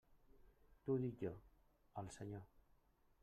T'ho dic jo, el Senyor.